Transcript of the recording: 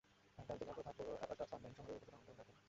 টাঙ্গাইল জেলার প্রধান পৌর এলাকা টাঙ্গাইল শহর এই উপজেলার অন্তর্গত।